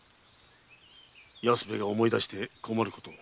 安兵衛が思い出して困ること。